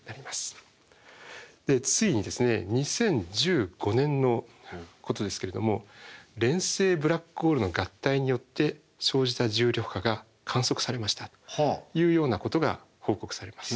でついに２０１５年のことですけれども連星ブラックホールの合体によって生じた重力波が観測されましたというようなことが報告されました。